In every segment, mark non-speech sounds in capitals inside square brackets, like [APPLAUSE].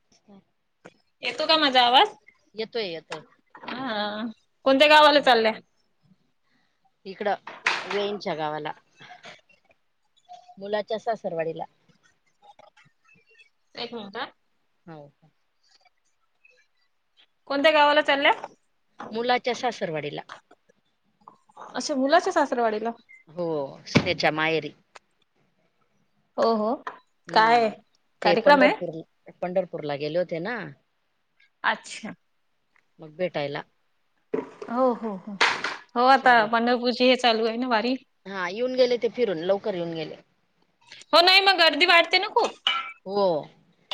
नमस्कार! येतो का माझा आवाज येतोय येतोय ह कोणत्या गावाला चालला. इकड वेईचकावाला. मुलाच्या सासरवाडीला. एक मिनिटात हाव का कोणत्या गावाला चालल्या मुलाच्या सासरवाडीला अच्छा मुलाच्या सासरवाडीला हो सुनेच्या माहेरी हो हो हू काय ते कार्यक्रम आहे? पंढरपूर पंढरपूरला गेले होते ना अच्छा मग भेटायला हो हो हो हो आता साडी पंढरपूरची ही चालू आहे ना वारी हा येऊन गेले ते फिरून लवकर येऊन गेले हो नाही मग गर्दी वाढते ना खूप हो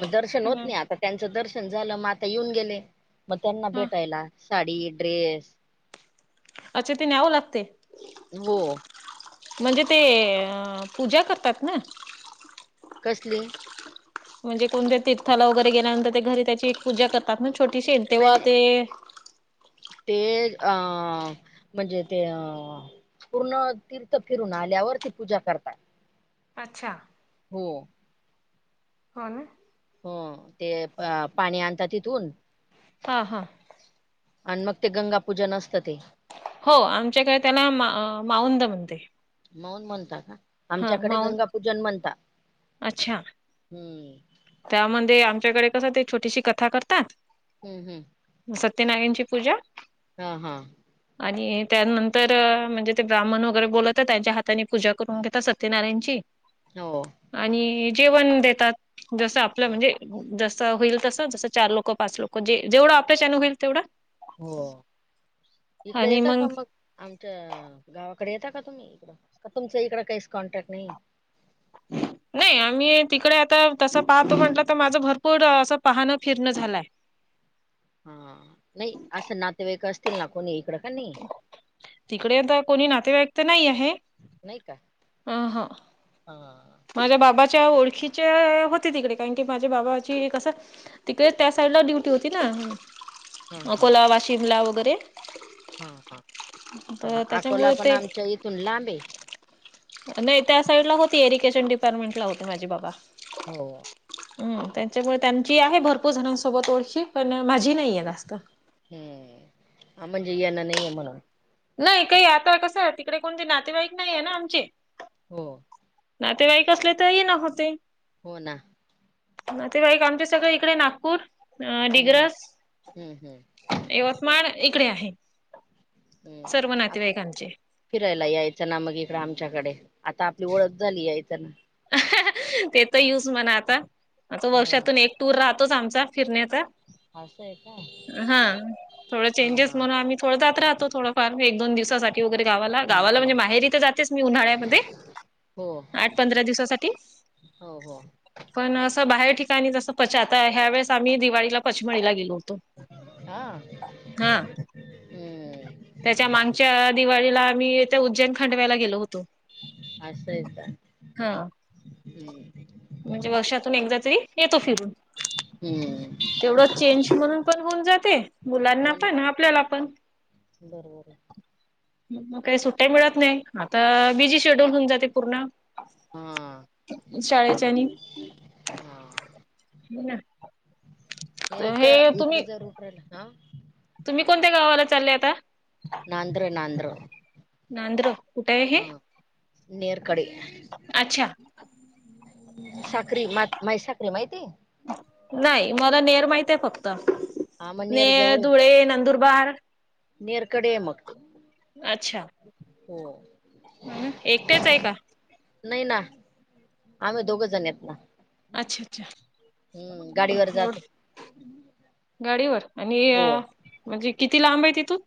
मग दर्शन होत हम्म. नाही आता त्यांचं दर्शन झालं मग आता येऊन गेले म त्यांना हा भेटायला साडी ड्रेस अच्छे ते न्यावं लागते हो म्हणजे ते पूजा करतात ना कसली म्हणजे कोणते तीर्थाला वगैरे गेल्यानंतर ते घरी त्याची पूजा करत तात ना छोटीशीे तेव्हा नाही ते ते अ म्हणजे ते अ पूर्ण तीर्थ फिरून आल्यावर ती पूजा करतात अच्छा हो हो ना हो ते पाणी आणता तिथून हा हा आणि मग ते गंगा पूजन असतं ते हो आमच्याकडे त्याला माऊंद म्हणते मौन म्हणता का हां, आमच्याकडे माऊंद गंगा पूजन म्हणता अच्छा. हू त्यामध्ये आमच्याकडे कसं ते छोटीशी कथा करतात हू हू सत्यनारायण ची पूजा हा हा आणि त्यानंतर म्हणजे ते ब्राह्मण वगैरे बोलवता त्यांच्या हाताने पूजा करून घेता सत्यनारायणची हो आणि जेवण देतात जस आपलं म्हणजे जस होईल तसं जसं चार लोकं पाच लोक जे जेवढं आपल्यान होईल तेवढं हो इकडे येता का मग आमच्या गावाकडे येता का तुम्ही इकड का तुमचं इकड काहीच कॉन्टॅक्ट नाही [INAUDIBLE] नाही आम्ही तिकडे आता तसं पाहतो म्हटलं तर माझं भरपूर असं पाहणं फिरणं झालंय हा नाही असं नातेवाईक असतील ना कोणी इकडं का नाही तिकडे आता कोणी नातेवाईकते नाही आहे. नाही का अ, हं. हा. माझ्या बाबाच्या ओळखीच्या होते तिकडे कारण की माझ्या बाबाची कसं? तिकडे त्या साईडला ड्युटी होती ना हा हा अकोलावा शिमला वगैरे.. हा हा हा तर अकोला त्याच्यामुळे पण ते आमच्या इथून लांबे. नाही त्या साइड ला होती एरिगेशन डिपार्टमेंट ला होते माझी बाबा. हो. हम त्यांच्यामुळे त्यांची आहे भरपूर जणांसोबत ओळखी पण माझी नाहीये जास्त. हम्म ह म्हणजे याना नाही आहे म्हला. नाही काही आता कसं आहे तिकडे कोणते नातेवाईक नाही आहे ना आमचे. हो. नातेवाईकसले तरही नव्हते. हो ना. ते बाईक आमचे सगळे इकडे नागपूर हम्म डिग्रस.. हम्म हम्म यवतमाळ इकडे आहे. हम्म सर्व आता नातेवाईकांचे. फिरायला यायचं ना मग इकडं आमच्याकडे आता आपली ओळख झाली यायचं ना. ते तर यूज म्हणा आता आता ह वर्षातून एक टूर राहतोच आमचा फिरण्याचा. असं आहे का हा थोड हा चेंजेस म्हणून आम्ही.. थोड जात राहतो थोडफार एक दोन दिवसासाठी.. ग हम्म म्हण हम्म माहेाते उन्या.. हो तोसाठी. हो हो पण असं बाहेर ठिकाणी तसं पचता ह्या वेस आम्ही दिवाळीला पचमळीला गेलो होतो. हा. हा. हम्म त्याच्या मागच्या दिवाळीला आम्ही त्या उज्जैन खांडवायला गेलो होतो. असेत. हा म्हणजे वर्षातून एकदा तरी येतो फिरून. हम्म तेवढं चेंज म्हणून पण होऊन जाते मुलांना हो ना पण आपल्याला पण. बरोबर. मग काही सुट्ट्या मिळत नाही आता बिजी शेड्यूल होऊन जाते पूर्ण हा शाळेच्या आणि हा. ह ना. या तर इकडे जर उपरल हा [INAUDIBLE] तुम्ही कोणत्या? गावाला चालले आता. नांद्र, नांद्र. नांद्र कुठे? आहे हे. हा नेरकडे. अच्छा साखरी मा साखरी माहिती? नाही मला नेर माहित आहे फक्त हा मग नेर, जवळ धुळे, नंदुरबार. नेरकडे आहे मगते. अच्छा ह हम. ना एकटेच आहे का नाही ना आम्ही दोघ जण येत ना. अच्छा! हम्म गाडीवर अच्छा! जाते गाडीवर आणि हो म्हणजे किती? लांब आहे तिथून.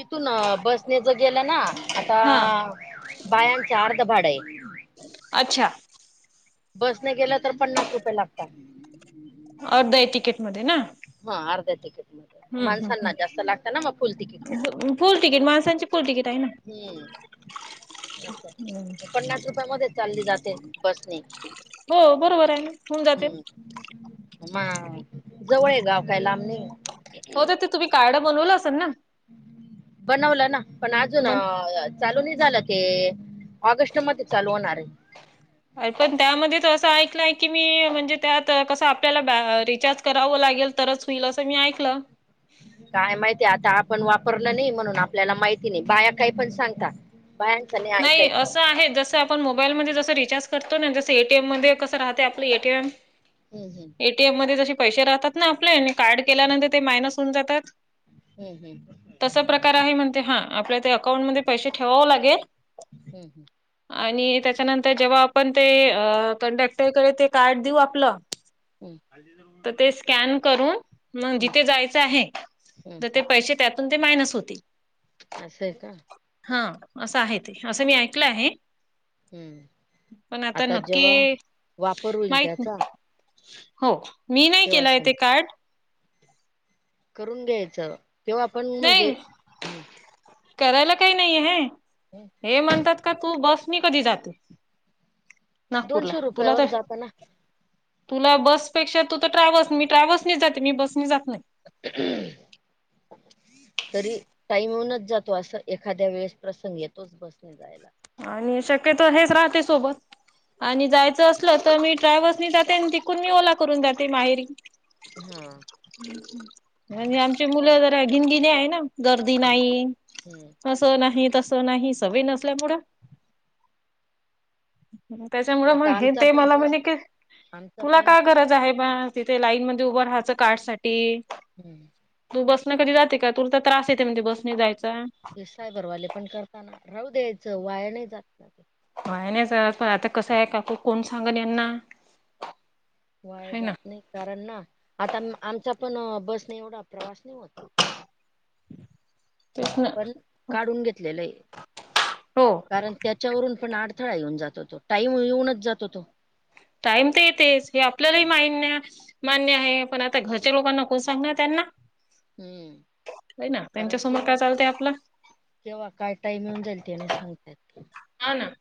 इथून बसने ज गेलं ना, आता हा बायांच अर्ध भाडये. अच्छा. बसने गेलं तर पन्नास रुपये लागता. अर्धये तिकीटमध्ये ना? हा अर्ध्या तिकीट मध्ये.. हम्म माणसांना जास्त लागताना म फुल तिकीट. हम्म फुल तिकीट. माणांची फुल तिकीट आहे ना. हम्म. अभय. मी पन्नास रुपया मध्ये चालली जाते बसने. हो. बरोबर आहे ना. होऊन जाते ना. हम्म म मा जवळे गाव काय लांब नही. हो ते ते तुम्ही कार्डं बनवलं असेल ना? बनवलं ना. पण अजून मग चालू नाही झालं ते. ऑगस्ट मध्ये चालू होणारे. अर पण त्यामध्ये तर असं ऐकलंय की मी. म्हणजे त्यात कसं आपल्याला रिचार्ज करावं लागेल. तरच होईल. असं मी ऐकलं. काय माहितीय आता? आपण वापरलं नाही. म्हणून आपल्याला माहिती नाही. बाया काही पण सांगता. बयांचं नाही ऐकायचं. असं आहे जसं आपण मोबाईल मध्ये जंस रिचार्ज करतो ना. जंस ए टी एम मध्ये कसं राहते आपलं ए टी एम. हम्म हम्म. ए टी एम मध्ये जसे पैसे राहतात ना आपले. आणि कार्ड केल्यानंतर ते मायनस होऊन जातात. हम्म हम्म तस प्रकार आहे म्हणते हा. आपल्या अकाउंटमध्ये पैसे ठेवावं लागेल. हम्म हम्म. आणि त्याच्यानंतर जेव्हा आपण ते कंडक्टरकडे ते कार्ड देऊ आपलं. हम्म. त ते स्कॅन करून. मग जिथे हम्म जायचं आहे. त ते पैसे त्यातून ते मायनस होतील. असंय का? हा असं आहे ते. असं मी ऐकलं आहे. हम्म पण आता नक्की वापर होईल माहित त्याचा ना हो मी नाही तेव्हा केलाय सम ते कार्ड. करून घ्यायचं. केव्हा पण म्हणजे, नाही हम्म. करायला काही नाहीे हे. [INAUDIBLE] हे म्हणतात का? तू बस मी कधी जाते. नागपूरला दोनशे तुला रुपयावर त जाताना तुला बसपेक्षा तू तर ट्रॅव्हल्स, मी ट्रॅव्हल्सनीच जाते. मी बसनी जात नाही. [UNINTELLIGIBLE] तरी टाईम येऊनच जातो असं. एखाद्या वेळेस प्रसंग येतोच बसने जायला. आणि शक्यतो हेच राहते सोबत. आणि जायचं असलं तर मी ट्रॅव्हल्सनी जाते. आणि तिकून मी ओला करून जाते माहेरी. हा. हम्म हम्म. म्हणजे आमचे मुलं जरा गिनगिणी आहे ना. गर्दी हं नाही. हं फस् त नाही. तसं नाही. सवय नसल्यामुळं. त्याच्यामुळे मग आता हे आमचा ते पण मला बस म्हणे की, आमचा तुला पण काय बस गरज आहे बा. तिथे लाईन मध्ये उभं राहाचं कार्डसाठी हुं.. तू बसने कधी जाते का? तूर तर त्रास येते म्हणे बसने जायचा. ते सायबरवाले पण करताना राहू द्यायचं वाया नाई जात ना, वाया नाही जात पण आता कसं आहे काकू कोण सांगन यांना वाय है ना जात नाही कारण ना, आता आमचा पण बसनं एवढा प्रवास नाही होतं. तेच ना पण काढून घेतलेलं आहे हो कारण,, त्याच्यावरून पण अडथळा येऊन जातो तो, टाइम येऊनच जातो तो. टाईम तर येतेच हे आपल्यालाही हम्म माहिन्या मान्य आहे, पण आता घरच्या लोकांना कोण सांगणार त्यांना? हम्म. होय ना कारण त्यांच्यासमोर काय केव्हा चालतंय आपलं. केव्हा काय टाईम येऊन जाईल ते नाही सांगता येत काही. हा ना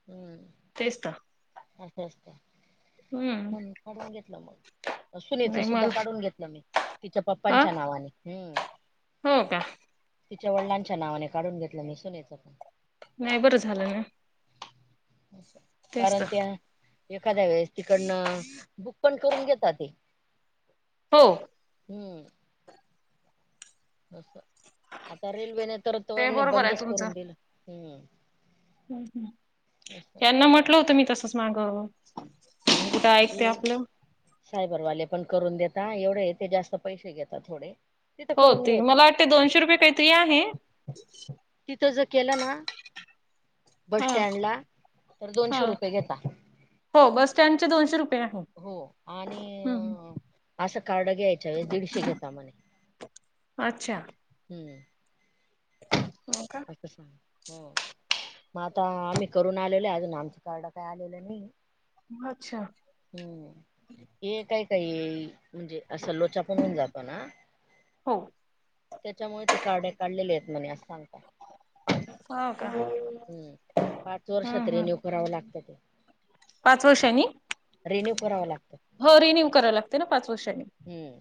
हा तेच तर असंं असतयं हम्म म्हणून काढून घेतलं मग, सुनीचं नाही सुद्धा मला काढून घेतलं मी तिच्या अ पप्पांच्या नावानी. हं हो का तिच्या वडिलांच्या नावाने काढून घेतलं मी सूनेचं पण, नाही बरं झालं ना. तेच तर कारण त्या एखाद्या वेळेस ती कडनं बुक पण करून घेता ते. हो हूं अस्सं आता रेल्वेने तर तो ते आने बरोबर आहे बंदच करून दिलं, हूं हं हूं.. यांना म्हटलं होतं मी तसच माग- कुठं ऐकते हे आपलं. सायबरवाले पण करून देता, एवढं हे ते जास्त पैसे घेतात थोडे. तिथं हो करून ते घ्याय मला वाटते दोनशे रुपये काहीतरी आहे, तिथं जर केलं ना, बस हा स्टँडला तर हा दोनशे रुपये घेता. हो बस स्टँडचे दोनशे रुपये आहे. हो हम्म आणि असं कार्ड घ्यायच्या वेळेस दीडशे घेता म्हणे. अच्छा हूं हो का तसं आहे हो मग आता आम्ही करून आलेलो आहे, अजून आमचं कार्ड काय आलेलं नाही. अच्छा हूं... ये काई-काई म्हणजे असं लोचा पण होऊन जातो ना,, हो त्याच्यामुळे ते कार्ड काढलेल्या आहेत म्हणे असं सांगता. होउ का. हम्, पाच हम्म वर्षात हम्म रेन्यु कराव लागतं. पाच वर्षांनी, रिन्यू करावं लागतं हो रिन्यू कराव लागते ना पाच वर्षांनी. हम्म.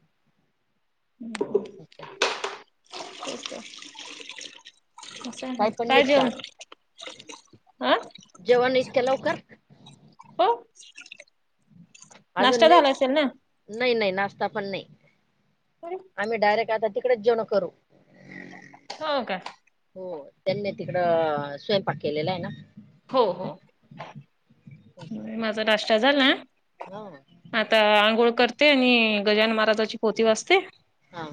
[UNINTELLIGIBLE] [INAUDIBLE] [UNINTELLIGIBLE] असं आहे, पण काय जेवण, निघतात अ? जेवण इतक्या लवकर [UNINTELLIGIBLE] ओ अजून नाही, नाही नाही नाश्ता पण नाही. तरी आम्ही डायरेक्ट आता तिकडेच जेवण करू. हो का? हो त्यांनी तिकडं स्वयंपाक केलेला आहे ना. हो हो. माझा नाष्टा झाला. हा. आता आंघोळ करते आणि गजान महाराजाची पोती वाचते. हा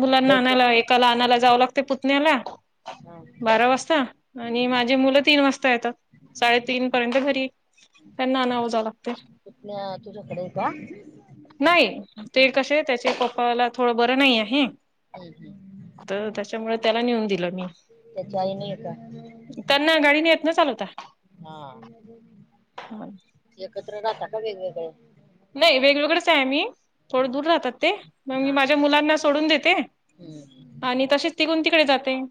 मुलांना लवकर आणायला एकाला आणायला जावं लागते पुतण्याला. हा बारा वाजता आणि माझे मुलं तीन वाजता येतात साडेतीन पर्यंत घरी त्यांना आणावं जावं लागते. [INAUDIBLE] पुतण्या तुझ्याकडे आहे का? नाही ते हम्म कसे त्याचे पप्पाला थोडं बरं नाही आहे. हम्म हम्म तर त्याच्यामुळे त्याला नेऊन दिलं मी. त्याच्या आईने आहे का त्यांना गाडी ने येत ना चालवता. हा. [UNINTELLIGIBLE] एकत्र राहता का वेगवेगळं? नाही वेगवेगळेच आहे मी. थोड हम्म दूर राहतात ते मग मी हा हा. माझ्या मुलांना सोडून देते. हम्म. आणि तसेच तिघून तिकडे जाते.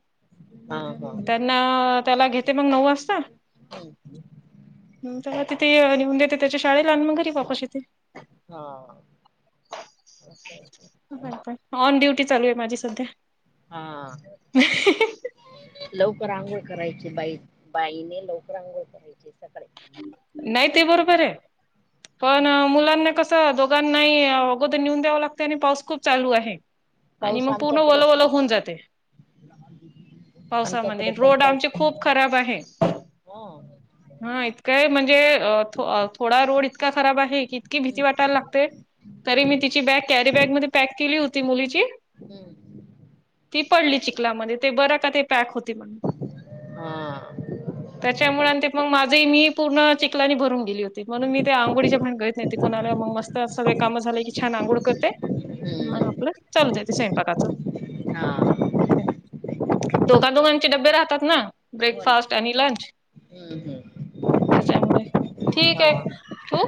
हा हा. ना त्याला घेते मग नऊ वाजता. हम्. त्याला तिथे आणि या त्याच्या शाळेला आणि मग घरी वापस येते. हा हा. ऑन ड्युटी चालू आहे माझी सध्या. हा. लवकर आंघोळ करायची बाई, बाईने लवकर आंघोळ करायची. [UNINTELLIGIBLE] नाही ते बरोबर आहे. पण मुलांना कसं दोघांनाही अगोदर नेऊन द्यावं लागते आणि पाऊस खूप चालू आहे. [INAUDIBLE] आणि मग पूर्ण आमच्याकडे पण ओल-ओल चालू होऊन जाते. पावसामध्ये, आमच्याकडे पण रोड पाऊस आमचे चालू खूप खराब आहे. हा. हा इतकंय म्हणजे अ थो-थोडा रोड इतकं खराब आहे इतकी भीती हम्म वाटायला लागते, तरी मी तिची बॅग कैरी ती बॅग मध्ये पॅक केली होती मुलीची.. ! हम्म. ती तरी पडली चिखलामध्ये, ते बरं का ते पॅक होती म्हणून, हा त्याच्यामुळे माझे मी पूर्ण चिकलाने भरू गेली होती, म्हणून मी त्या आघोळीच्या भांगडीत नाय ते कुणाला मग मस्त सगळे काम झाले की छान आंघोळ करते. मग हम्म. आपलं, चालू दयाचं स्वयंपाकाचं हा हो दोघां दोघांचे डब्बे राहतात ना, ब्रेकफास्ट आणि लंच. हम्म-हम्म. त्याच्यामुळे, ठीक आहे. ठेऊ.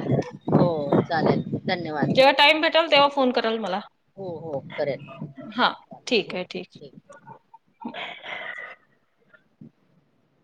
हो चालेल. धन्यवाद जेव्हा टाइम भेटल तेव्हा फोन करल मला. हो-हो करण. हा, ठीक आहे, ठीक आहे. [UNINTELLIGIBLE]